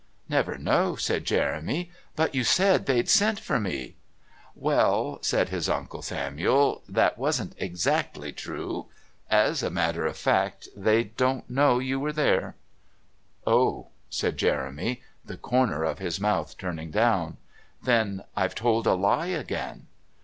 "Never know?" said Jeremy. "But you said they'd sent for me." "Well," said Uncle Samuel, "that wasn't exactly true. As a matter of fact, they don't know you were there." "Oh!" said Jeremy, the corner of his mouth turning down. "Then I've told a lie again!"